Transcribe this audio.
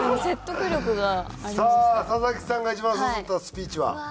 さあ佐々木さんが一番刺さったスピーチは？